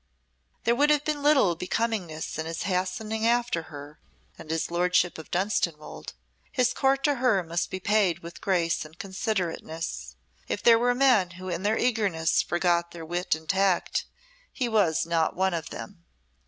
There would have been little becomingness in his hastening after her and his Lordship of Dunstanwolde; his court to her must be paid with grace and considerateness. If there were men who in their eagerness forgot their wit and tact, he was not one of them.